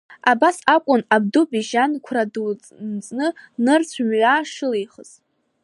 Абас акәын абду Бежьан, қәра ду нҵны, нырцәы мҩа шылихыз.